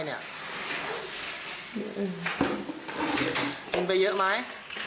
เงินไปเยอะไหม